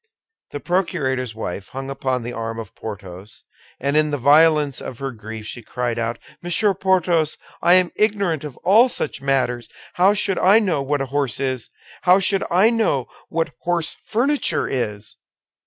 The procurator's wife hung upon the arm of Porthos, and in the violence of her grief she cried out, "Monsieur Porthos, I am ignorant of all such matters! How should I know what a horse is? How should I know what horse furniture is?"